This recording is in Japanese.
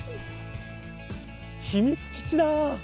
秘密基地だ！